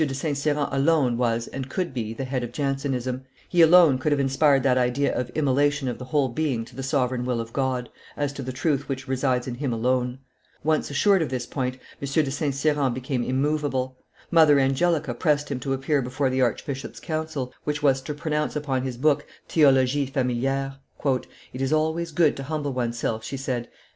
de St. Cyran alone was and could be the head of Jansenism; he alone could have inspired that idea of immolation of the whole being to the sovereign will of God, as to the truth which resides in Him alone. Once assured of this point, M. de St. Cyran became immovable. Mother Angelica pressed him to appear before the archbishop's council, which was to pronounce upon his book Theologie familiere. "It is always good to humble one's self," she said.